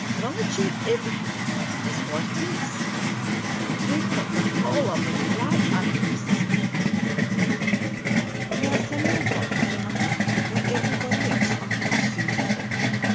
Longitude everything is what it is; we've got the whole of 'em right under us." Now Samuel Block came on deck, where everybody else on board soon gathered.